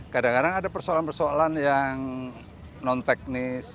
kadang kadang ada persoalan persoalan yang non teknis